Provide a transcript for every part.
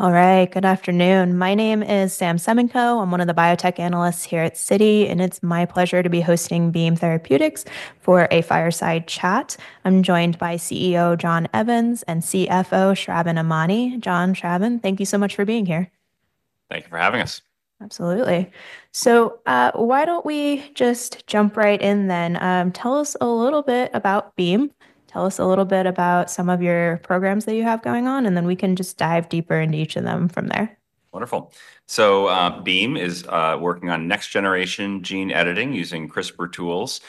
Alright. Good afternoon. My name is Sam Semenko. I'm one of the biotech analysts here at Citi, and it's my pleasure to be hosting Beam Therapeutics for a fireside chat. I'm joined by CEO John Evans and CFO, Sharavan Amani. John, Sharavan, thank you so much for being here. Thank you for having us. Absolutely. So, why don't we just jump right in then? Tell us a little bit about Beam. Tell us a little bit about some of your programs that you have going on, and then we can just dive deeper into each of them from there. Wonderful. So, Beam is, working on next generation gene editing using CRISPR tools.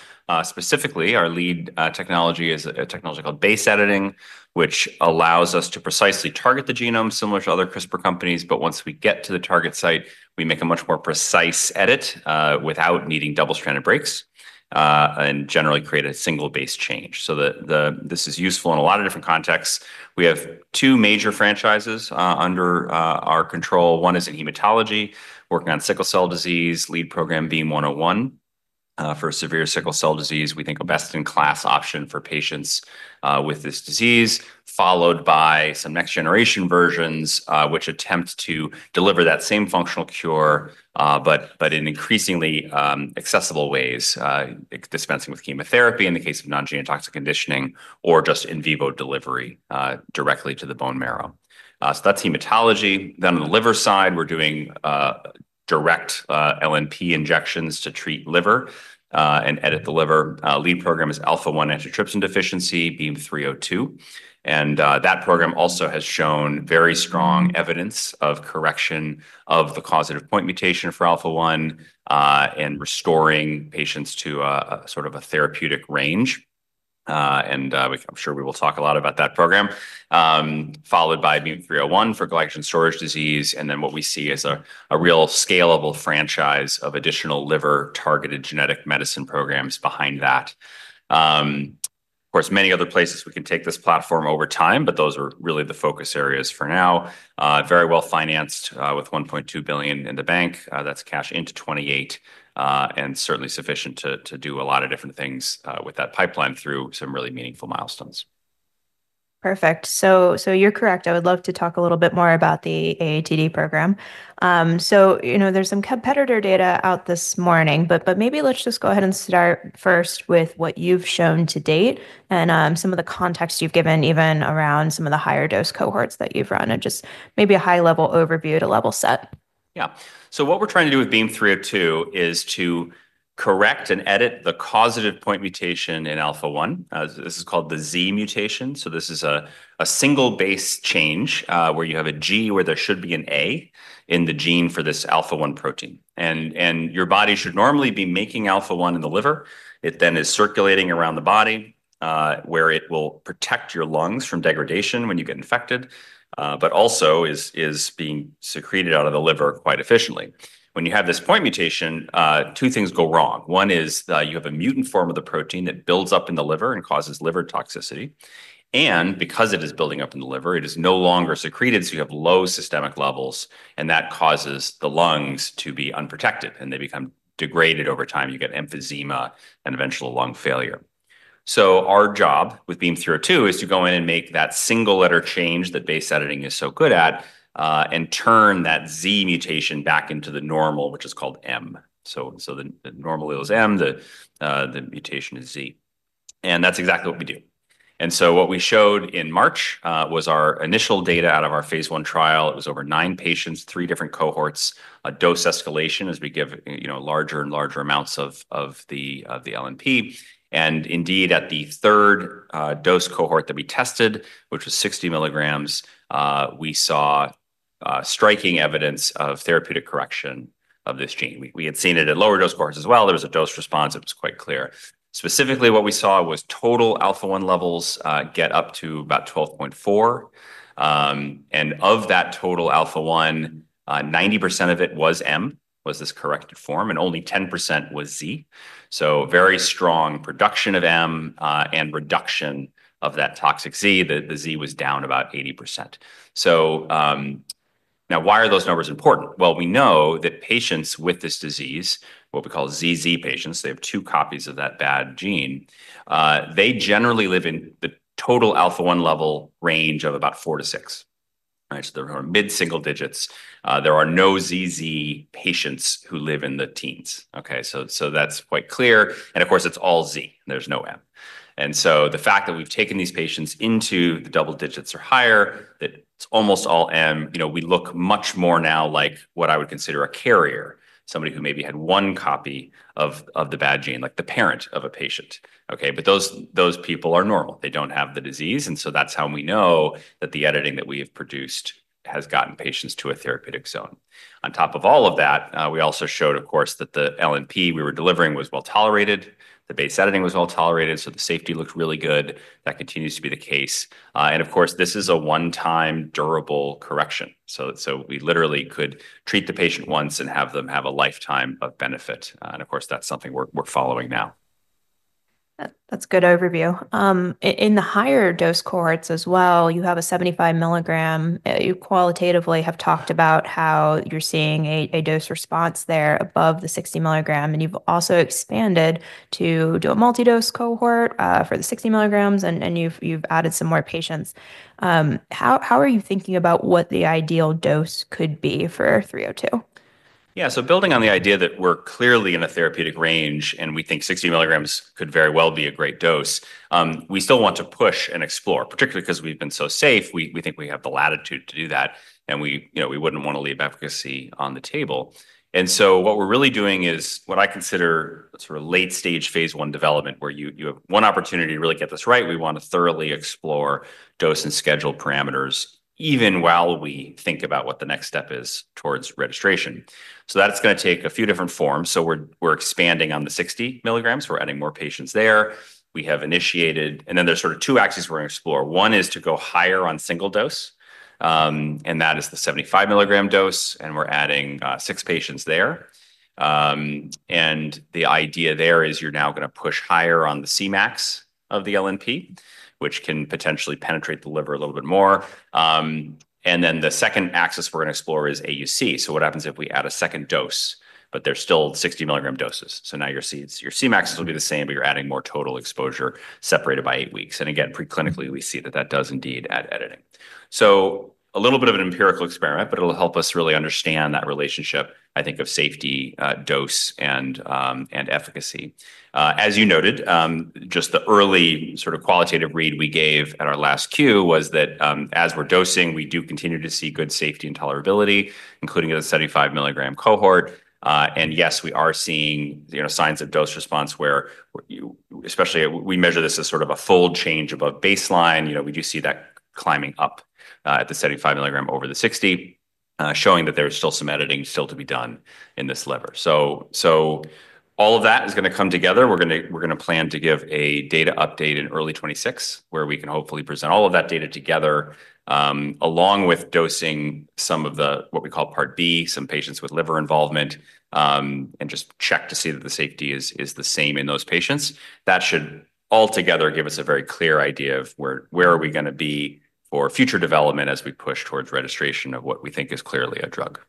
Specifically, our lead, technology is a technology called base editing, which allows us to precisely target the genome similar to other CRISPR companies. But once we get to the target site, we make a much more precise edit without needing double stranded breaks and generally create a single base change. So the the this is useful in a lot of different contexts. We have two major franchises under our control. One is in hematology, working on sickle cell disease, lead program, BIM-one hundred one, for severe sickle cell disease, we think a best in class option for patients with this disease, followed by some next generation versions, which attempt to deliver that same functional cure, but in increasingly accessible ways, dispensing with chemotherapy in the case of non gene and toxic conditioning or just in vivo delivery directly to the bone marrow. So that's hematology. Then on the liver side, we're doing direct LNP injections to treat liver and edit the liver. Lead program is alpha-one antitrypsin deficiency, BEAM three zero two. And that program also has shown very strong evidence of correction of the causative point mutation for alpha-one and restoring patients to sort of a therapeutic range. And I'm sure we will talk a lot about that program, followed by MUM-three zero one for glycogen storage disease and then what we see as a real scalable franchise of additional liver targeted genetic medicine programs behind that. Of course, many other places we can take this platform over time, but those are really the focus areas for now. Very well financed with $1,200,000,000 in the bank. That's cash into '28 and certainly sufficient to do a lot of different things with that pipeline through some really meaningful milestones. Perfect. So so you're correct. I would love to talk a little bit more about the AATD program. So, you know, there's some competitor data out this morning, but but maybe let's just go ahead and start first with what you've shown to date and some of the context you've given even around some of the higher dose cohorts that you've run and just maybe a high level overview to level set. Yes. So what we're trying to do with BEAM three zero two is to correct and edit the causative point mutation in alpha one. This is called the z mutation. So this is a a single base change, where you have a g where there should be an a in the gene for this alpha one protein. And and your body should normally be making alpha one in the liver. It then is circulating around the body, where it will protect your lungs from degradation when you get infected, but also is is being secreted out of the liver quite efficiently. When you have this point mutation, two things go wrong. One is that you have a mutant form of the protein that builds up in the liver and causes liver toxicity. And because it is building up in the liver, it is no longer secreted, so you have low systemic levels and that causes the lungs to be unprotected, and they become degraded over time. You get emphysema and eventual lung failure. So our job with BEAM three zero two is to go in and make that single letter change that base editing is so good at and turn that z mutation back into the normal, which is called m. So so the the normal is m, the the mutation is z. And that's exactly what we do. And so what we showed in March was our initial data out of our Phase I trial. It was over nine patients, three different cohorts, a dose escalation as we give larger and larger amounts of the LNP. And indeed, at the third dose cohort that we tested, which was sixty milligrams, we saw striking evidence of therapeutic correction of this gene. We had seen it at lower dose cohorts as well. There was a dose response that was quite clear. Specifically, what we saw was total alpha-one levels get up to about 12.4. And of that total alpha 90% of it was m, was this corrected form, and only 10% was z. So very strong production of m and reduction of that toxic z. The the z was down about 80%. So, now why are those numbers important? Well, we know that patients with this disease, what we call ZZ patients, they have two copies of that bad gene. They generally live in the total alpha one level range of about four to six. Right? So there are mid single digits. There are no ZZ patients who live in the teens. Okay? So so that's quite clear. And, of course, it's all Z. There's no M. And so the fact that we've taken these patients into the double digits or higher, that it's almost all m, you know, we look much more now like what I would consider a carrier, somebody who maybe had one copy of of the bad gene, like the parent of a patient. Okay? But those people are normal. They don't have the disease. And so that's how we know that the editing that we have produced has gotten patients to a therapeutic zone. On top of all of that, we also showed, of course, that the LNP we were delivering was well tolerated. The base editing was well tolerated, so the safety looks really good. That continues to be the case. And of course, this is a onetime durable correction. So we literally could treat the patient once and have them have a lifetime of benefit. And, course, that's something we're we're following now. That that's good overview. In the higher dose cohorts as well, you have a seventy five milligram. You qualitatively have talked about how you're seeing response there above the sixty milligram, and you've also expanded to do a multi dose cohort, for the sixty milligrams, and and you've you've added some more patients. How how are you thinking about what the ideal dose could be for three zero two? Yeah. So building on the idea that we're clearly in a therapeutic range and we think sixty milligrams could very well be a great dose, we still want to push and explore, particularly because we've been so safe. We think we have the latitude to do that, And we wouldn't want to leave efficacy on the table. And so what we're really doing is what I consider sort of late stage Phase I development where you have one opportunity to really get this right. We want to thoroughly explore dose and schedule parameters even while we think about what the next step is towards registration. So that's gonna take a few different forms. So we're we're expanding on the sixty milligrams. We're adding more patients there. We have initiated and then there's sort of two axes we're gonna explore. One is to go higher on single dose, and that is the seventy five milligram dose, and we're adding six patients there. And the idea there is you're now going to push higher on the Cmax of the LNP, which can potentially penetrate the liver a little bit more. And then the second axis we're gonna explore is AUC. So what happens if we add a second dose, but they're still sixty milligram doses? So now your seeds your Cmax will be the same, but you're adding more total exposure separated by eight weeks. And again, preclinically, see that that does indeed add editing. So a little bit of an empirical experiment, but it'll help us really understand that relationship, I think, of safety, dose and efficacy. As you noted, just the early sort of qualitative read we gave at our last Q was that as we're dosing, we do continue to see good safety and tolerability, including a seventy five milligram cohort. And yes, we are seeing signs of dose response where you especially, we measure this as sort of a full change above baseline. You know, we do see that climbing up at the 75 over the sixty, showing that there's still some editing still to be done in this lever. So so all of that is gonna come together. We're gonna we're gonna plan to give a data update in early twenty six where we can hopefully present all of that data together along with dosing some of the what we call part b, some patients with liver involvement, and just check to see that the safety is is the same in those patients. That should altogether give us a very clear idea of where where are we going to be for future development as we push towards registration of what we think is clearly a drug.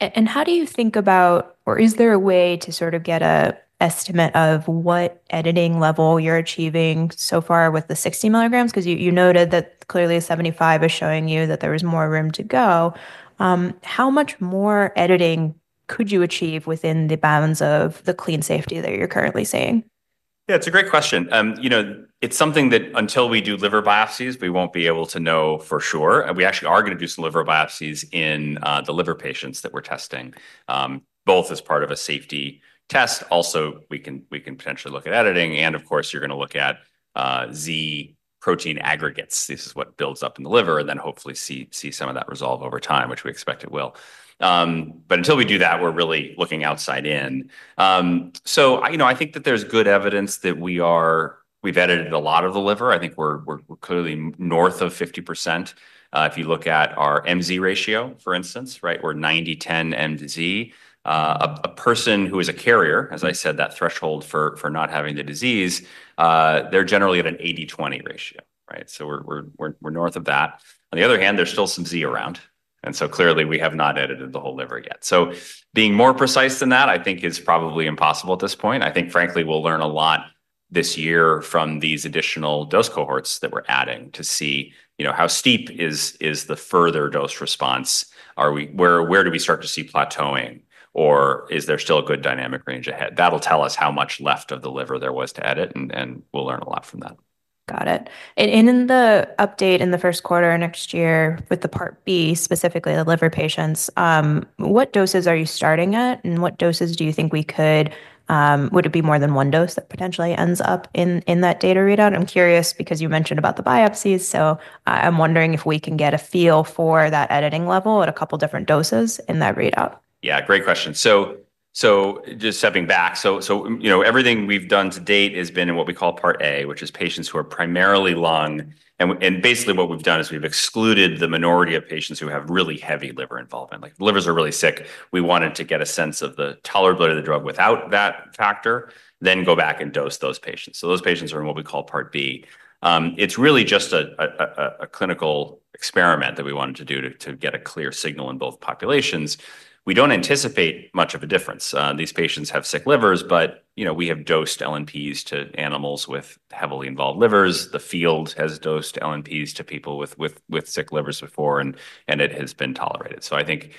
And how do you think about or is there a way to sort of get a estimate of what editing level you're achieving so far with the sixty milligrams? Because you you noted that clearly 75 is showing you that there is more room to go. How much more editing could you achieve within the balance of the clean safety that you're currently seeing? Yes, it's a great question. It's something that until we do liver biopsies, we won't be able to know for sure. We actually are going to do some liver biopsies in the liver patients that we're testing, both as part of a safety test. Also, we can potentially look at editing. And of course, you're going to look at Z protein aggregates. This is what builds up in the liver and then hopefully see some of that resolve over time, which we expect it will. But until we do that, we're really looking outside in. So think that there's good evidence that we are we've edited a lot of the liver. I think we're clearly north of 50. If you look at our MZ ratio, for instance, right, we're ninetyten MZ. A person who is a carrier, as I said, that threshold for not having the disease, they're generally at an eightytwenty ratio, right? So we're north of that. On the other hand, there's still some Z around. And so clearly, we have not edited the whole liver yet. So being more precise than that, I think, is probably impossible at this point. I think, frankly, we'll learn a lot this year from these additional dose cohorts that we're adding to see how steep is the further dose response. Are we where do we start to see plateauing? Or is there still a good dynamic range ahead? That will tell us how much left of the liver there was to edit, and we'll learn a lot from that. Got it. And in the update in the first quarter of next year with the Part b, specifically the liver patients, what doses are you starting at, and what doses do you think we could, would it be more than one dose that potentially potentially ends up in that data readout? I'm curious because you mentioned about the biopsies. So I'm wondering if we can get a feel for that editing level at a couple of different doses in that readout. Yes, great question. So just stepping back. So everything we've done to date has been in what we call Part A, which is patients who are primarily lung. And basically, what we've done is we've excluded the minority of patients who have really heavy liver involvement. Like livers are really sick. We wanted to get a sense of the tolerability of the drug without that factor, then go back and dose those patients. So those patients are in what we call Part B. It's really just a clinical experiment that we wanted to do to get a clear signal in both populations. We don't anticipate much of a difference. These patients have sick livers, but we have dosed LNPs to animals with heavily involved livers. The field has dosed LNPs to people with sick livers before, and it has been tolerated. So I think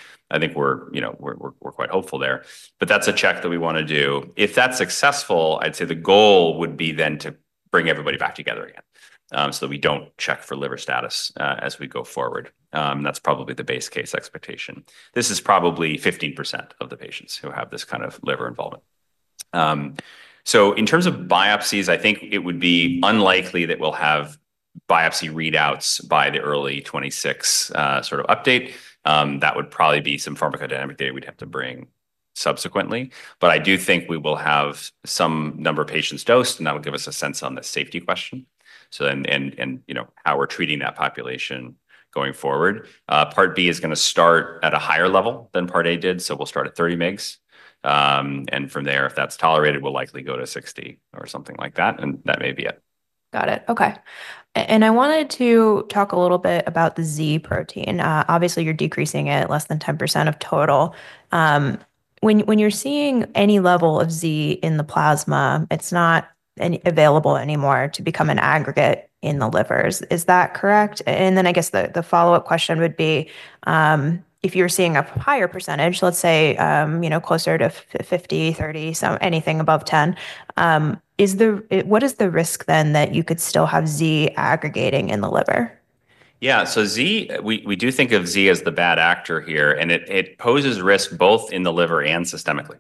we're we're quite hopeful there. But that's a check that we wanna do. If that's successful, I'd say the goal would be then to bring everybody back together again, so we don't check for liver status, as we go forward. That's probably the base case expectation. This is probably fifteen percent of the patients who have this kind of liver involvement. So in terms of biopsies, I think it would be unlikely that we'll have biopsy readouts by the early twenty six sort of update. That would probably be some pharmacodynamic data we'd have to bring subsequently. But I do think we will have some number of patients dosed, and that would give us a sense on the safety question. So then and how we're treating that population going forward. Part b is gonna start at a higher level than part a did, so we'll start at thirty mgs. And from there, if that's tolerated, we'll likely go to sixty or something like that, and that may be it. Got it. Okay. And I wanted to talk a little bit about the z protein. Obviously, you're decreasing it less than 10% of total. When when you're seeing any level of z in the plasma, it's not available anymore to become an aggregate in the livers. Is that correct? And then I guess the the follow-up question would be, if you're seeing a higher percentage, let's say, you know, closer to fifty, thirty, so anything above 10, Is the what is the risk then that you could still have Z aggregating in the liver? Yeah. So Z we do think of Z as the bad actor here, and it poses risk both in the liver and systemically.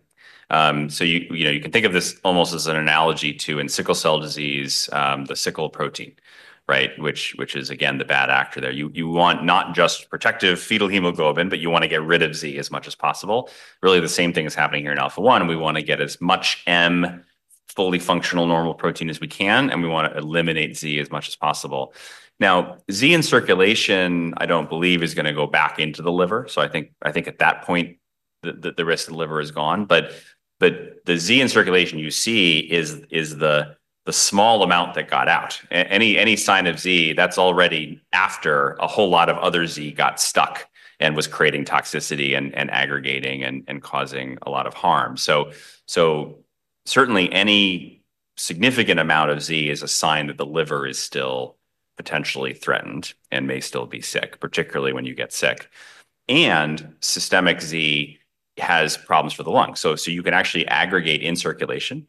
So you, you know, you can think of this almost as an analogy to in sickle cell disease, the sickle protein, right, which which is again the bad actor there. You you want not just protective fetal hemoglobin, but you wanna get rid of z as much as possible. Really, the same thing is happening here in alpha one. We wanna get as much m fully functional normal protein as we can, and we wanna eliminate z as much as possible. Now z in circulation, I don't believe is gonna go back into the liver. So I think I think at that point, the risk of liver is gone. But the Z in circulation you see is the small amount that got out. Any sign of Z, that's already after a whole lot of other Z got stuck and was creating toxicity and aggregating and causing a lot of harm. So certainly, any significant amount of Z is a sign that the liver is still potentially threatened and may still be sick, particularly when you get sick. And systemic z has problems for the lung. So so you can actually aggregate in circulation.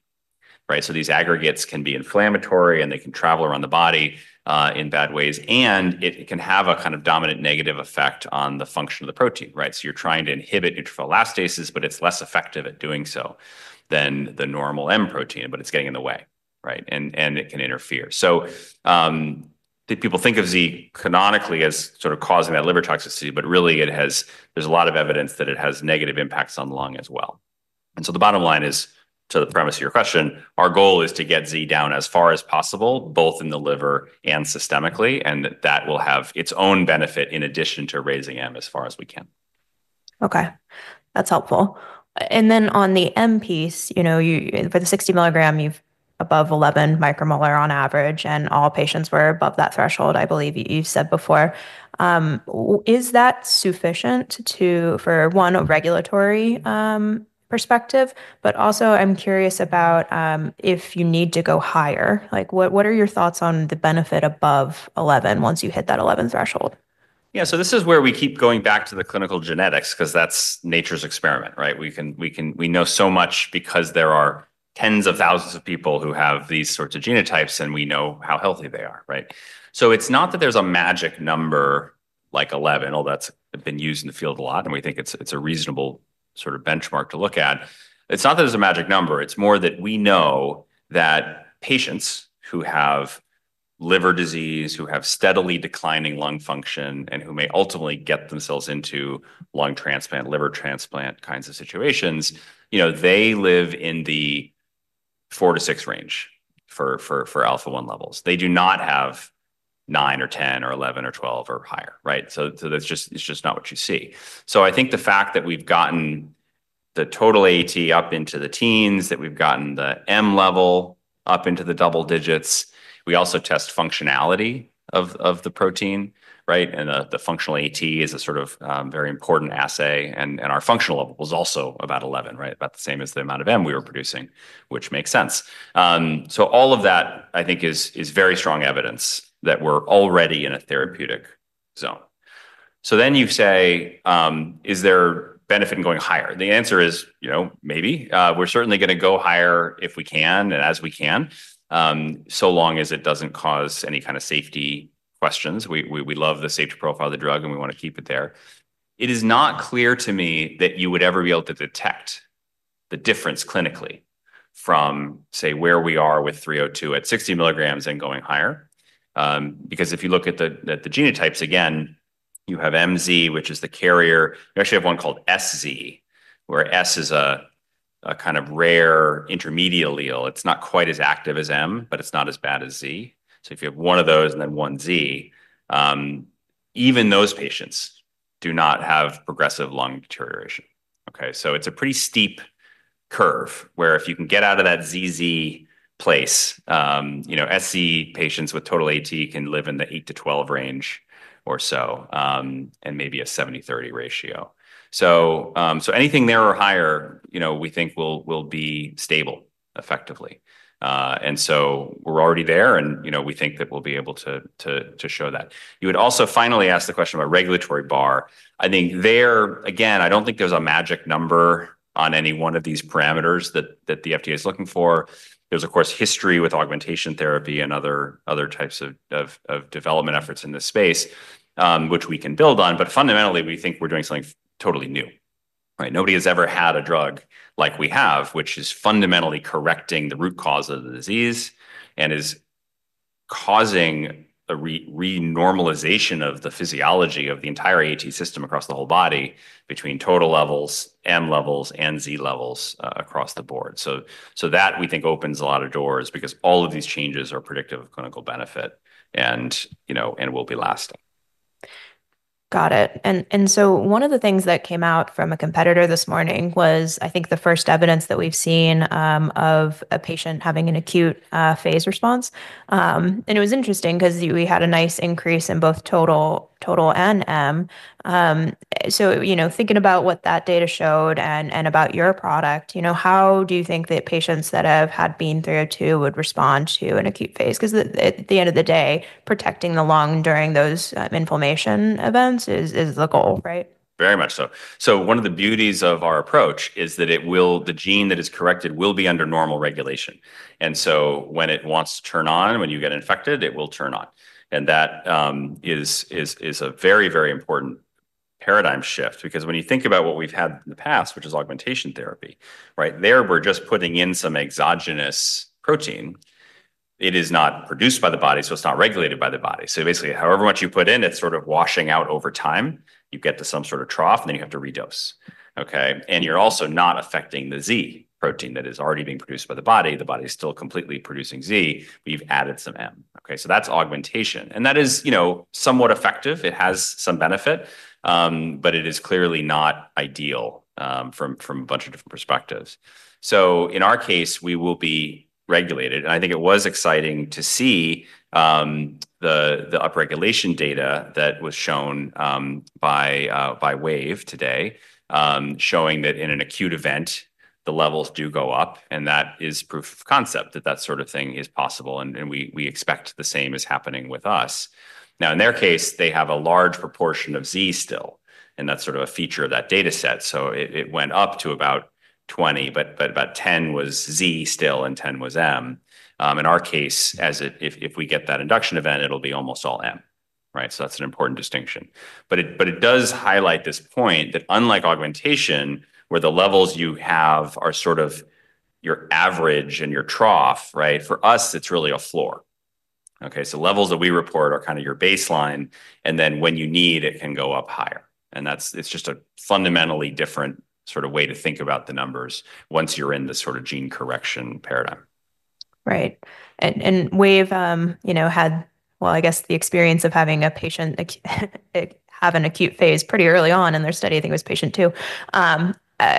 Right? So these aggregates can be inflammatory, and they can travel around the body in bad ways, and it it can have a kind of dominant negative effect on the function of the protein. Right? So you're trying to inhibit it for elastases, but it's less effective at doing so than the normal M protein, but it's getting in the way. Right? And and it can interfere. So the people think of Z canonically as sort of causing that liver toxicity, but really, it has there's a lot of evidence that it has negative impacts on lung as well. And so the bottom line is, to the premise of your question, our goal is to get Z down as far as possible, both in the liver and systemically, and that will have its own benefit in addition to raising M as far as we can. Okay. That's helpful. And then on the M piece, you know, you for the sixty milligram, you've above 11 micromolar on average, and all patients were above that threshold, I believe you've said before. Is that sufficient to for one, a regulatory perspective? But also, I'm curious about if you need to go higher. Like what are your thoughts on the benefit above 11 once you hit that 11 threshold? Yeah. So this is where we keep going back to the clinical genetics because that's nature's experiment. Right? We can we can we know so much because there are tens of thousands of people who have these sorts of genotypes, and we know how healthy they are. Right? So it's not that there's a magic number like 11, although that's been used in the field a lot, and we think it's a reasonable sort of benchmark to look at. It's not that there's a magic number. It's more that we know that patients who have liver disease, who have steadily declining lung function, and who may ultimately get themselves into lung transplant, liver transplant kinds of situations, you know, they live in the four to six range for for for alpha one levels. They do not have nine or 10 or 11 or 12 or higher. Right? So so that's just it's just not what you see. So I think the fact that we've gotten the total 80 up into the teens, that we've gotten the m level up into the double digits, We also test functionality of of the protein. Right? And the functional AT is a sort of very important assay, and and our functional level was also about 11. Right? About the same as the amount of m we were producing, which makes sense. So all of that, I think, is is very strong evidence that we're already in a therapeutic zone. So then you say, is there benefit in going higher? The answer is, you know, maybe. We're certainly gonna go higher if we can and as we can so long as it doesn't cause any kind of safety questions. We we we love the safety profile of the drug, and we wanna keep it there. It is not clear to me that you would ever be able to detect the difference clinically from, say, where we are with three zero two at sixty milligrams and going higher. Because if you look at the the genotypes again, you have MZ, which is the carrier. You actually have one called SZ, where S is a a kind of rare intermediate allele. It's not quite as active as M, but it's not as bad as Z. So if you have one of those and then one Z, even those patients do not have progressive lung deterioration. Okay? So it's a pretty steep curve where if you can get out of that z z place, you know, SC patients with total AT can live in the eight to 12 range or so, and maybe a seventy thirty ratio. So anything there or higher, you know, we think will be stable effectively. And so we're already there and, you know, we think that we'll be able to show that. You would also finally ask the question about regulatory bar. I think there, again, I don't think there's a magic number on any one of these parameters that the FDA is looking for. There's, of course, history with augmentation therapy and other types of development efforts in this space, which we can build on. But fundamentally, we think we're doing something totally new. Right? Nobody has ever had a drug like we have, which is fundamentally correcting the root cause of the disease and is causing the re renormalization of the physiology of the entire AT system across the whole body between total levels, m levels, and z levels across the board. So so that we think opens a lot of doors because all of these changes are predictive of clinical benefit and, you know, and will be lasting. Got it. And and so one of the things that came out from a competitor this morning was, I think, the first evidence that we've seen of a patient having an acute phase response. And it was interesting because we had a nice increase in both total total and m. So, you know, thinking about what that data showed and and about your product, you know, how do you think that patients that have had BEN three zero two would respond Because at the end of the day, protecting the lung during those inflammation events is the goal. Right? Very much so. So one of the beauties of our approach is that it will the gene that is corrected will be under normal regulation. And so when it wants to turn on, when you get infected, it will turn on. And that is is is a very, very important paradigm shift because when you think about what we've had in the past, which is augmentation therapy, Right? There, we're just putting in some exogenous protein. It is not produced by the body, so it's not regulated by the body. So, basically, however much you put in, it's sort of washing out over time. You get to some sort of trough, and then you have to redose. Okay? And you're also not affecting the z protein that is already being produced by the body. The body is still completely producing z. We've added some m. Okay? So that's augmentation. And that is, you know, somewhat effective. It has some benefit, but it is clearly not ideal from from a bunch of different perspectives. So in our case, we will be regulated. And I think it was exciting to see the the upregulation data that was shown by Wave today, showing that in an acute event, the levels do go up, and that is proof of concept that that sort of thing is possible. And we expect the same is happening with us. Now in their case, they have a large proportion of z still, and that's sort of a feature of that dataset. So it it went up to about 20, but but about 10 was z still and 10 was m. In our case, as it if if we get that induction event, it'll be almost all m. Right? So that's an important distinction. But it but it does highlight this point that unlike augmentation where the levels you have are sort of your average and your trough, right, for us, it's really a floor. Okay? So levels that we report are kind of your baseline. And then when you need, it can go up higher. And that's it's just a fundamentally different sort of way to think about the numbers once you're in the sort of gene correction paradigm. Right. And and Wave, you know, had well, I guess, the experience of having a patient have an acute phase pretty early on in their study, think, was patient two.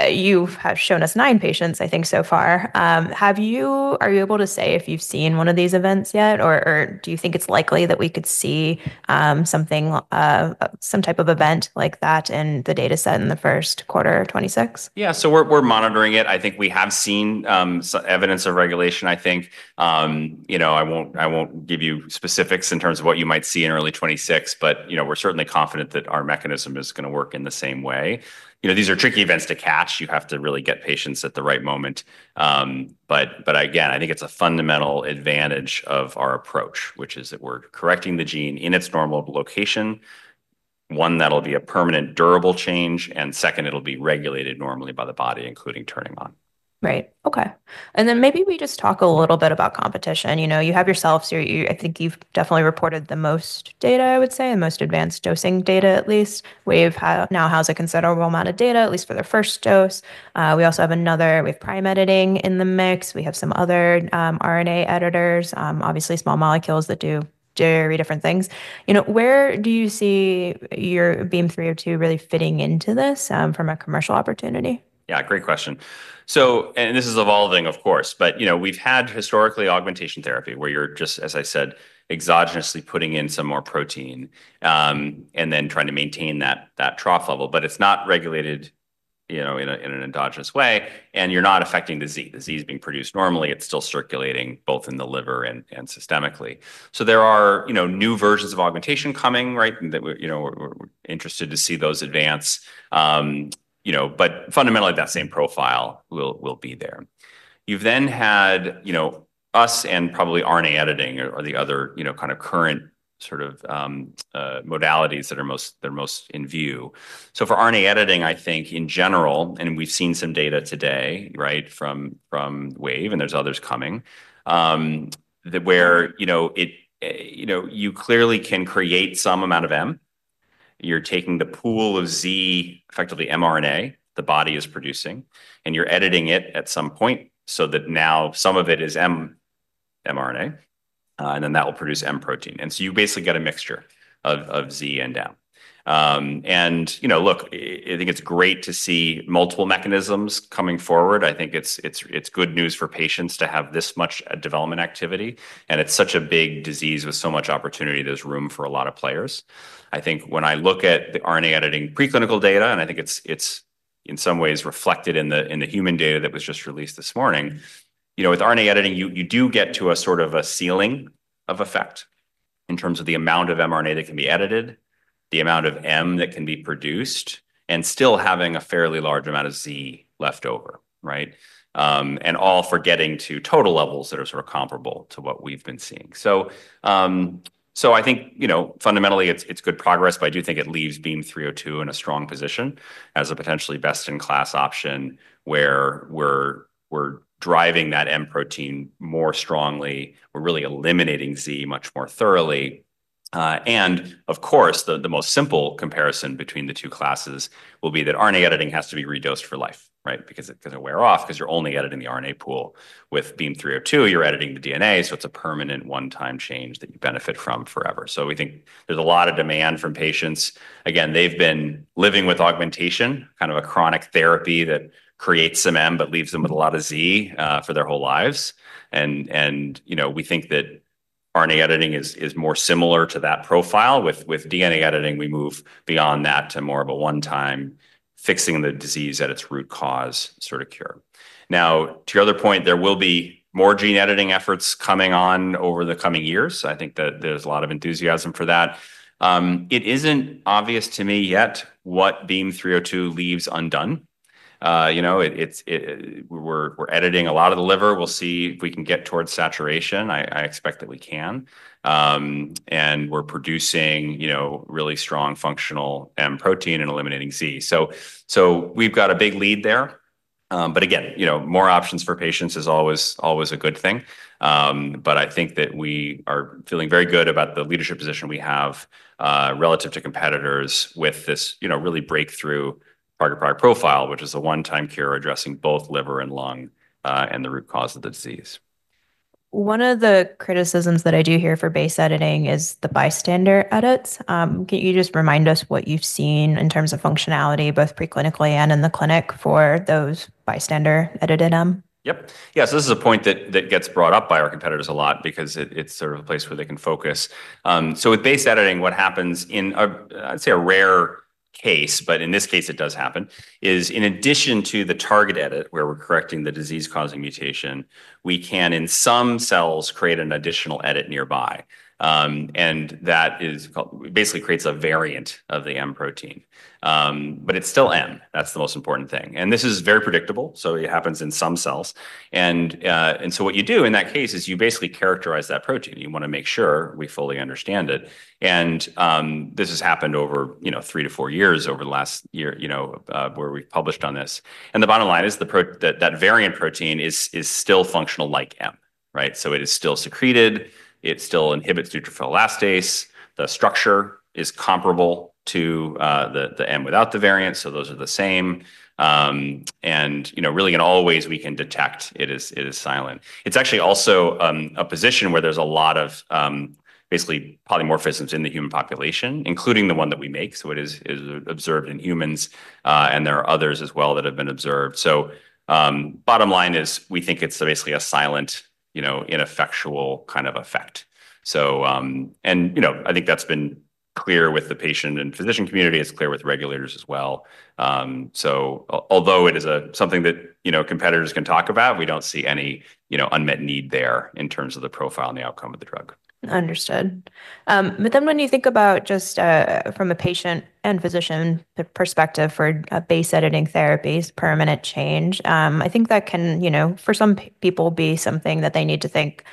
You have shown us nine patients, I think, so far. Have you are you able to say if you've seen one of these events yet? Or do you think it's likely that we could see something some type of event like that in the dataset in the '26? Yes. So we're monitoring it. I think we have seen evidence of regulation, I think. I won't give you specifics in terms of what you might see in early twenty twenty six, but we're certainly confident that our mechanism is going to work in the same way. These are tricky events to catch. You have to really get patients at the right moment. But but, again, I think it's a fundamental advantage of our approach, which is that we're correcting the gene in its normal location. One, that'll be a permanent durable change. And second, it'll be regulated normally by the body, including turning on. Right. Okay. And then maybe we just talk a little bit about competition. You know, you have yourselves here. You I think you've definitely reported the most data, I would say, and most advanced dosing data at least. We've now has a considerable amount of data at least for their first dose. We also have another we have prime editing in the mix. We have some other RNA editors, obviously, small molecules that do very different things. You know, where do you see your beam three zero two really fitting into this from a commercial opportunity? Yeah. Great question. So and this is evolving, of course. But we've had historically augmentation therapy where you're just, as I said, exogenously putting in some more protein and then trying to maintain that trough level. But it's not regulated in an endogenous way and you're not affecting the Z. The Z is being produced normally, it's still circulating both in the liver and systemically. So there are new versions of augmentation coming, right, that we're interested to see those advance. But fundamentally, that same profile will be there. You've then had us and probably RNA editing or the other kind of current sort of modalities that they're most in view. So for RNA editing, I think, in general, and we've seen some data today, right, from from Wave, and there's others coming, that where, you know, it you know, you clearly can create some amount of m. You're taking the pool of Z effectively mRNA the body is producing, and you're editing it at some point so that now some of it is mRNA, and then that will produce M protein. And so you basically get a mixture of of Z and M. And, you know, look, I think it's great to see multiple mechanisms coming forward. I think it's it's it's good news for patients to have this much development activity, and it's such a big disease with so much opportunity. There's room for a lot of players. I think when I look at the RNA editing preclinical data, and I think it's it's in some ways reflected in the in the human data that was just released this morning. You know, with RNA editing, you you do get to a sort of a ceiling of effect in terms of the amount of mRNA that can be edited, the amount of m that can be produced, and still having a fairly large amount of z left over. Right? And all forgetting to total levels that are sort of comparable to what we've been seeing. So I think, fundamentally, it's good progress, but I do think it leaves BEAM three zero two in a strong position as a potentially best in class option where we're driving that M protein more strongly. We're really eliminating z much more thoroughly. And, of course, the the most simple comparison between the two classes will be that RNA editing has to be redosed for life. Right? Because it's gonna wear off because you're only editing the RNA pool. With beam three zero two, you're editing the DNA, so it's a permanent one time change that you benefit from forever. So we think there's a lot of demand from patients. Again, they've been living with augmentation, kind of a chronic therapy that creates some m but leaves them with a lot of z for their whole lives. And and, you know, we think that RNA editing is is more similar to that profile. With with DNA editing, we move beyond that to more of a onetime fixing the disease at its root cause sort of cure. Now to your other point, there will be more gene editing efforts coming on over the coming years. I think that there's a lot of enthusiasm for that. It isn't obvious to me yet what beam three zero two leaves undone. You know, it it's we're we're editing a lot of the liver. We'll see if we can get towards saturation. I I expect that we can. And we're producing, you know, really strong functional m protein and eliminating z. So so we've got a big lead there. But, again, you know, more options for patients is always always a good thing. But I think that we are feeling very good about the leadership position we have relative to competitors with this, you know, really breakthrough profile, which is a onetime cure addressing both liver and lung and the root cause of the disease. One of the criticisms that I do hear for base editing is the bystander edits. Can you just remind us what you've seen in terms of functionality both pre clinically and in the clinic for those bystander edit in them? Yep. Yes. So this is a point that that gets brought up by our competitors a lot because it it's sort of a place where they can focus. So with base editing, what happens in a I'd say a rare case, but in this case, it does happen, is in addition to the target edit where we're correcting the disease causing mutation, we can, in some cells, create an additional edit nearby. And that is basically creates a variant of the m protein, But it's still m. That's the most important thing. And this is very predictable, so it happens in some cells. And and so what you do in that case is you basically characterize that protein. You wanna make sure we fully understand it. And this has happened over, you know, three to four years over the last year, you know, where we've published on this. And the bottom line is the pro that that variant protein is is still functional like M. Right? So it is still secreted. It still inhibits neutrophil elastase. The structure is comparable to the the m without the variant, so those are the same. And, you know, really in all ways, can detect it is it is silent. It's actually also a position where there's a lot of, basically, polymorphisms in the human population, including the one that we make. So it is is observed in humans, and there are others as well that have been observed. So bottom line is we think it's basically a silent, ineffectual kind of effect. So and I think that's been clear with the patient and physician community. It's clear with regulators as well. So although it is something that competitors can talk about, we don't see any you know, unmet need there in terms of the profile and the outcome of the drug. Understood. But then when you think about just, from a patient and physician perspective for a base editing therapies, permanent change, I think that can, you know, for some people be something that they need to think,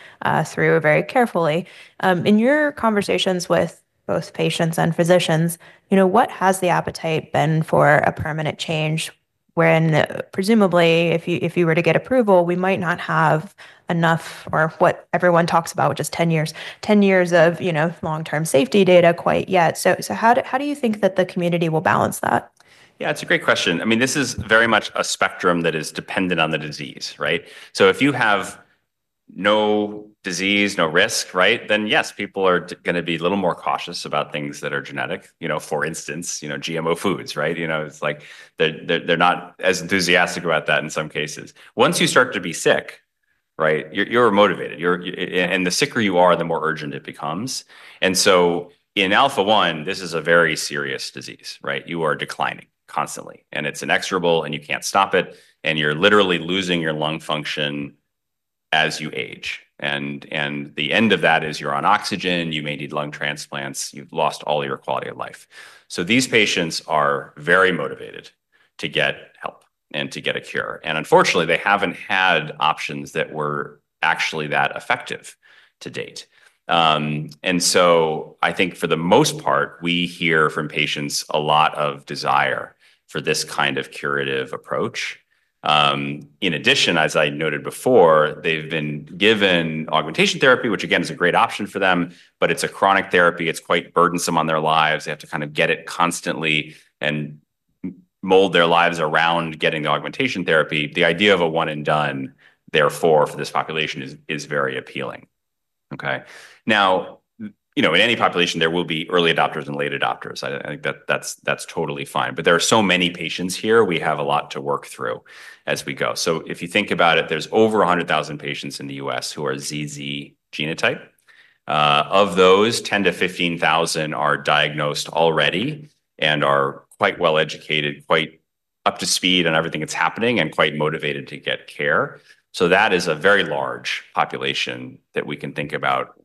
through very carefully. In your conversations with both patients and physicians, you know, what has the appetite been for a permanent change wherein presumably if you if you were to get approval, we might not have enough or what everyone talks about, which is 10 ten years of, you know, long term safety data quite yet. So so how how you think that the community will balance that? Yeah. It's a great question. I mean, is very much a spectrum that is dependent on the disease. Right? So if you have no disease, no risk, right, then, yes, people are gonna be a little more cautious about things that are genetic. You know, for instance, you know, GMO foods. Right? You know, it's like they're they're they're not as enthusiastic about that in some cases. Once you start to be sick, right, you're you're motivated. You're and the sicker you are, the more urgent it becomes. And so in alpha one, this is a very serious disease. Right? You are declining constantly, and it's inexorable, and you can't stop it. And you're literally losing your lung function as you age. And and the end of that is you're on oxygen. You may need lung transplants. You've lost all your quality of life. So these patients are very motivated to get help and to get a cure. And, unfortunately, they haven't had options that were actually that effective to date. And so I think for the most part, we hear from patients a lot of desire for this kind of curative approach. In addition, as I noted before, they've been given augmentation therapy, which again is a great option for them, but it's a chronic therapy. It's quite burdensome on their lives. They have to kind of get it constantly and mold their lives around getting augmentation therapy, the idea of a one and done, therefore, for this population is is very appealing. Okay? Now, you know, in any population, there will be early adopters and late adopters. I I think that that's that's totally fine. But there are so many patients here. We have a lot to work through as we go. So if you think about it, there's over a hundred thousand patients in The US who are ZZ genotype. Of those, ten thousand to fifteen thousand are diagnosed already and are quite well educated, quite up to speed on everything that's happening and quite motivated to get care. So that is a very large population that we can think about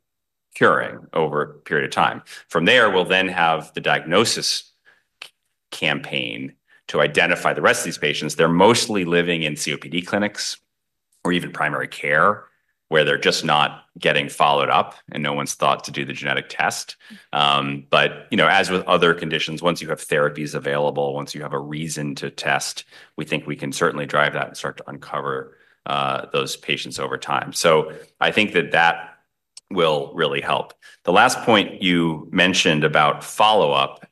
curing over a period of time. From there, we'll then have the diagnosis campaign to identify the rest of these patients. They're mostly living in COPD clinics or even primary care where they're just not getting followed up and no one's thought to do the genetic test. But, you know, as with other conditions, once you have therapies available, once you have a reason to test, we think we can certainly drive that and start to uncover those patients over time. So I think that that will really help. The last point you mentioned about follow-up,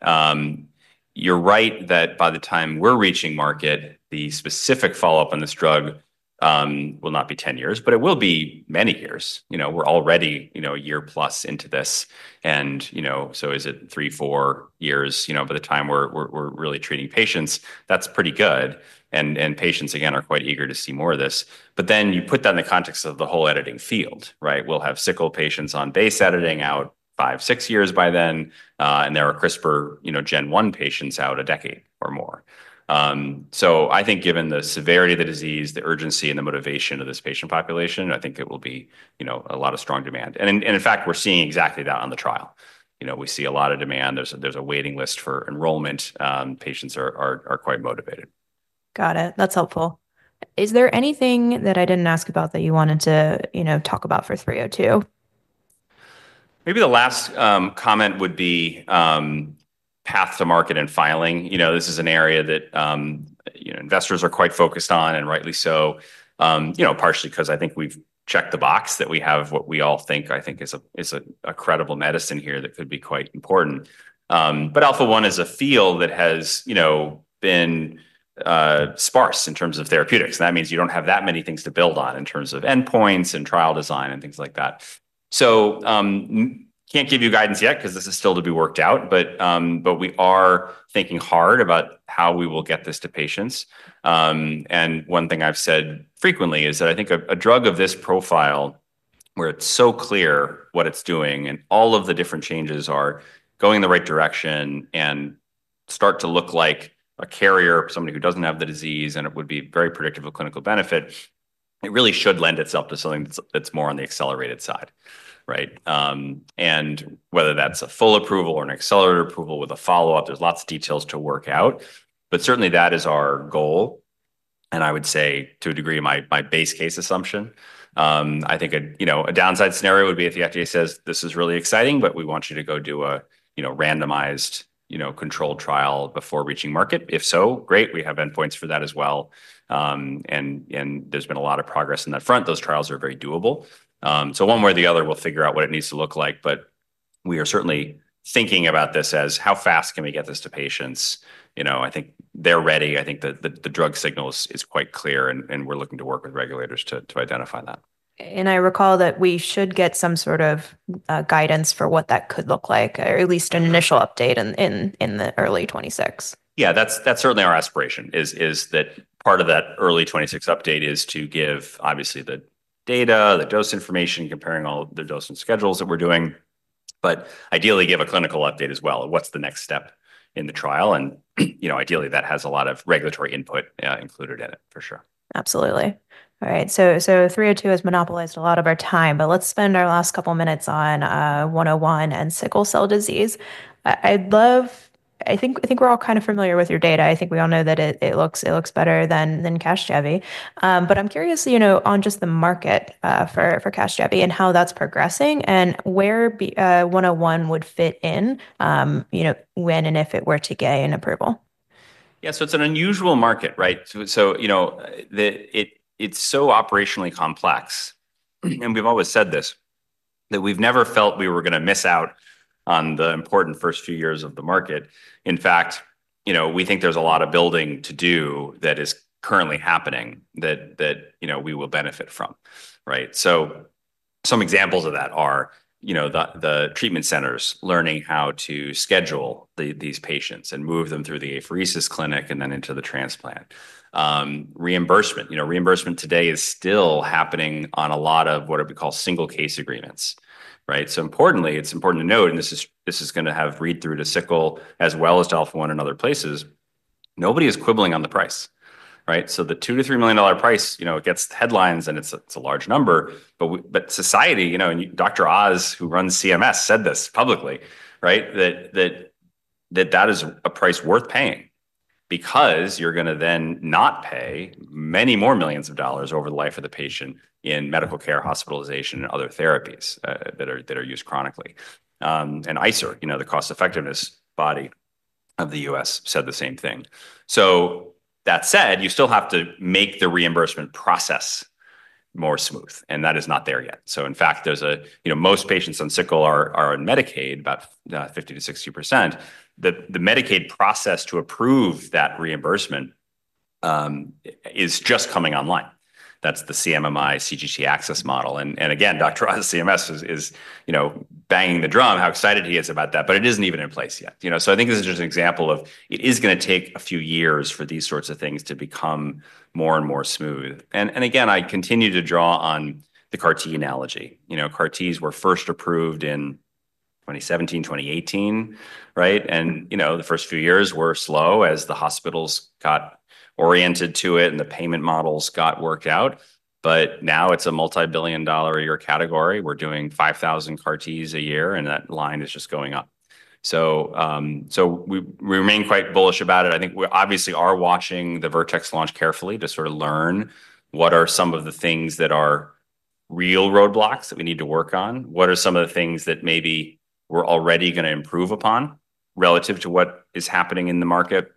you're right that by the time we're reaching market, the specific follow-up on this drug will not be ten years, but it will be many years. You know, we're already, you know, a year plus into this. And, you know, so is it three, four years, you know, by the time we're we're we're really treating patients? That's pretty good. And and patients, again, are quite eager to see more of this. But then you put that in the context of the whole editing field. Right? We'll have sickle patients on base editing out five, six years by then, and there are CRISPR gen one patients out a decade or more. So I think given the severity of the disease, the urgency, and the motivation of this patient population, I think there will be a lot of strong demand. And in fact, we're seeing exactly that on the trial. We see a lot of demand. There's waiting list for enrollment. Patients are quite motivated. Got it. That's helpful. Is there anything that I didn't ask about that you wanted to talk about for 03/2002? Maybe the last, comment would be, path to market and filing. You know, this is an area that, you know, investors are quite focused on and rightly so, you know, partially because I think we've checked the box that we have what we all think, I think, is a is a a credible medicine here that could be quite important. But alpha one is a field that has, you know, been, sparse in terms of therapeutics. That means you don't have that many things to build on in terms of endpoints and trial design and things like that. So can't give you guidance yet because this is still to be worked out, but but we are thinking hard about how we will get this to patients. And one thing I've said frequently is that I think a a drug of this profile where it's so clear what it's doing and all of the different changes are going in the right direction and start to look like a carrier of somebody who doesn't have the disease, and it would be very predictive of clinical benefit, it really should lend itself to something that's that's more on the accelerated side. Right? And whether that's a full approval or an accelerated approval with a follow-up, there's lots of details to work out. But, certainly, that is our goal. And I would say, to a degree, my my base case assumption. I think a, you know, a downside scenario would be if the FDA says, this is really exciting, but we want you to go do a, you know, randomized, you know, controlled trial before reaching market. If so, great. We have endpoints for that as well. And there's been a lot of progress in that front. Those trials are very doable. So one way or the other, we'll figure out what it needs to look like. But we are certainly thinking about this as how fast can we get this to patients. I think they're ready. I think the drug signal is quite clear, and we're looking to work with regulators to identify that. And I recall that we should get some sort of guidance for what that could look like or at least an initial update in the early twenty six. Yes. That's certainly our aspiration is that part of that early twenty six update is to give, obviously, the data, the dose information, comparing all the dosing schedules that we're doing. But, ideally, give a clinical update as well of what's the next step in the trial. And, you know, ideally, that has a lot of regulatory input, yeah, included in for sure. Absolutely. Alright. So so three zero two has monopolized a lot of our time, but let's spend our last couple minutes on, one zero one and sickle cell disease. I'd love I think I think we're all kind of familiar with your data. I think we all know that it it looks it looks better than than Kashmiri. But I'm curious, you know, on just the market for for KashJevi and how that's progressing and where one zero one would fit in, you know, when and if it were to get an approval. Yes. So it's an unusual market. Right? So so, you know, the it it's so operationally complex. And we've always said this, that we've never felt we were going to miss out on the important first few years of the market. In fact, we think there's a lot of building to do that is currently happening that that, you know, we will benefit from. Right? So some examples of that are, you know, the the treatment centers learning how to schedule the these patients and move them through the apheresis clinic and then into the transplant. Reimbursement. You know, reimbursement today is still happening on a lot of what we call single case agreements. Right? So importantly, it's important to note, and this is this is gonna have read through to sickle as well as to alpha one in other places. Nobody is quibbling on the price. Right? So the 2 to $3,000,000 price, you know, it gets headlines, and it's a it's a large number. But we but society, you know, and doctor Oz, who runs CMS, said this publicly, right, that that that that is a price worth paying because you're gonna then not pay many more millions of dollars over the life of the patient in medical care, hospitalization, and other therapies that are that are used chronically. And ICER, know, the cost effectiveness body of The US said the same thing. So that said, you still have to make the reimbursement process more smooth, and that is not there yet. So in fact, there's a you know, most patients on sickle are are on Medicaid, about 50% to 60%. The the Medicaid process to approve that reimbursement is just coming online. That's the CMMI, CGC access model. And and, doctor CMS is is, you know, banging the drum how excited he is about that, but it isn't even in place yet. Yet. You know? So I think this is just an example of it is gonna take a few years for these sorts of things to become more and more smooth. And and, again, I continue to draw on the CAR T analogy. You know? CAR Ts were first approved in 2017, 2018. Right? And the first few years were slow as the hospitals got oriented to it and the payment models got worked out. But now it's a multibillion dollar a year category. We're doing 5,000 Ts a year, and that line is just going up. So so we we remain quite bullish about it. I think we obviously are watching the Vertex launch carefully to sort of learn what are some of the things that are real roadblocks that we need to work on, what are some of the things that maybe we're already gonna improve upon relative to what is happening in the market,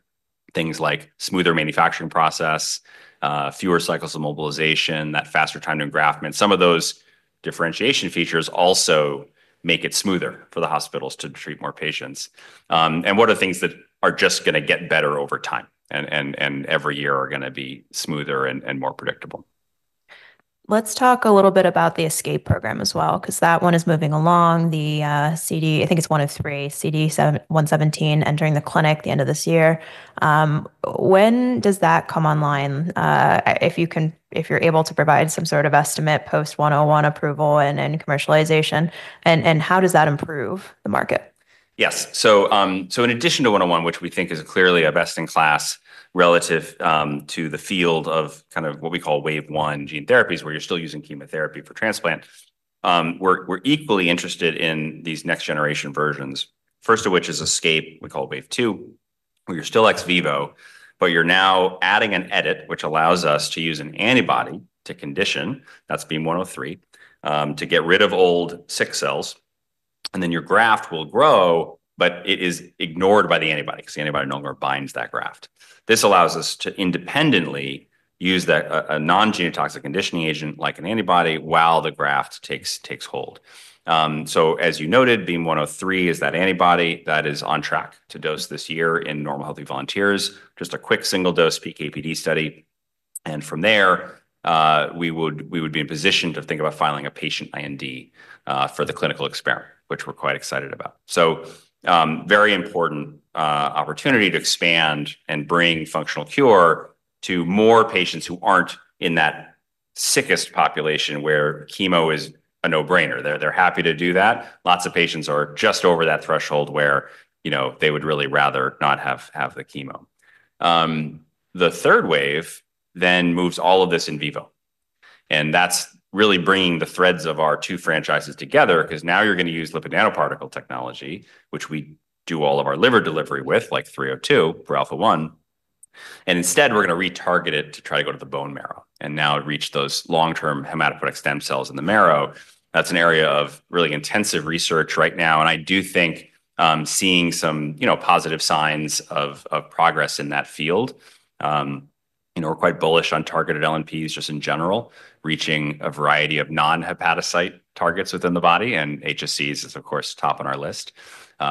things like smoother manufacturing process, fewer cycles of mobilization, that faster time to engraftment. Some of those differentiation features also make it smoother for the hospitals to treat more patients. And what are things that are just going to get better over time and and and every year are going to be smoother and and more predictable? Let's talk a little bit about the ESCaPE program as well because that one is moving along. The, CD I think it's 103, CD one seventeen entering the clinic at the end of this year. When does that come online? If you can you're able to provide some sort of estimate post one zero one approval and commercialization, and how does that improve the market? Yes. In addition to one zero one, which we think is clearly a best in class relative to the field kind of what we call wave one gene therapies where you're still using chemotherapy for transplant. We're we're equally interested in these next generation versions. First of which is escape, we call wave two, where you're still ex vivo, but you're now adding an edit which allows us to use an antibody to condition, that's beam one zero three, to get rid of old sick cells. And then your graft will grow, but it is ignored by the antibodies. The antibody no longer binds that graft. This allows us to independently use that a a non genotoxic conditioning agent like an antibody while the graft takes takes hold. So as you noted, BIM-one 103 is that antibody that is on track to dose this year in normal healthy volunteers. Just a quick single dose PKPD study. And from there, we would we would be in position to think about filing a patient IND for the clinical experiment, which we're quite excited about. So very important opportunity to expand and bring functional cure to more patients who aren't in that sickest population where chemo is a no brainer. They're happy to do that. Lots of patients are just over that threshold where you know, they would really rather not have have the chemo. The third wave then moves all of this in vivo. And that's really bringing the threads of our two franchises together because now you're gonna use lipid nanoparticle technology, which we do all of our liver delivery with, like three zero two for alpha one. And instead, we're going to retarget it to try to go to the bone marrow and now reach those long term hematopoietic stem cells in the marrow. That's an area of really intensive research right now. And I do think seeing some positive signs of progress in that field. We're quite bullish on targeted LNPs just in general, reaching a variety of non hepatocyte targets within the body, and HSCs is, of course, top on our list.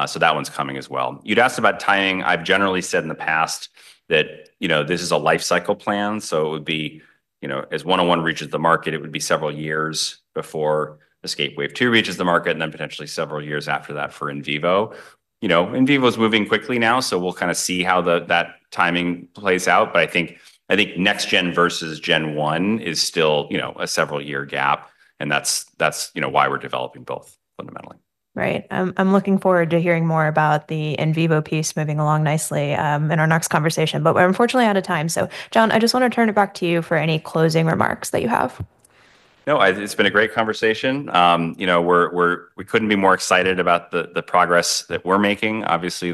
So that one's coming as well. You'd asked about tying. I've generally said in the past that, you know, this is a life cycle plan. So it would be, you know, as one zero one reaches the market, it would be several years before escape wave two reaches the market and then potentially several years after that for in vivo. In vivo is moving quickly now, so we'll kind of see how that timing plays out. But I think I think next gen versus gen one is still a several year gap, and that's why we're developing both fundamentally. Right. I'm I'm looking forward to hearing more about the in vivo piece moving along nicely, in our next conversation, but we're unfortunately out of time. So, John, I just wanna turn it back to you for any closing remarks that you have. No. I it's been a great conversation. You know, we're we're we couldn't be more excited about progress that we're making. Obviously,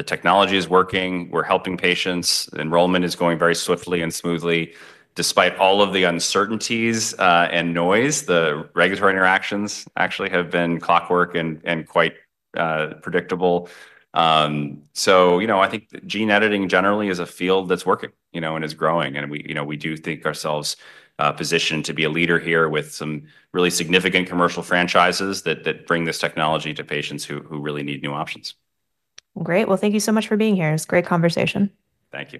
the technology is working. We're helping patients. Enrollment is going very swiftly and smoothly. Despite all of the uncertainties and noise, the regulatory interactions actually have been clockwork and and quite predictable. So, you know, I think gene editing generally is a field that's working, you know, and is growing. And we, you know, we do think ourselves positioned to be a leader here with some really significant commercial franchises that bring this technology to patients who really need new options. Great. Well, thank you so much for being here. It's a great conversation. Thank you.